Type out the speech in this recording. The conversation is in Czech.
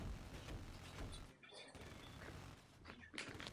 Nic takovýho o mně nikdo říkat nebude.